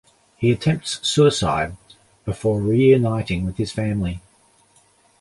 He attempts suicide, before reuniting with his family.